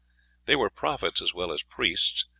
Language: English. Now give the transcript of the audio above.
They were prophets as well as priests.